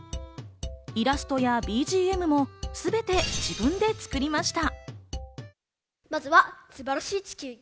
イラストやＢＧＭもすべて自分で作りました。